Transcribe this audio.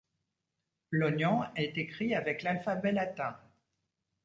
L’onyan est écrit avec l’alphabet latin.